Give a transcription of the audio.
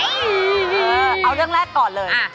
คือเอาเรื่องแรกก่อนเลย